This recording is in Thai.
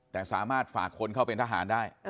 แต่สามารถฝากคนเข้าเป็นทหารได้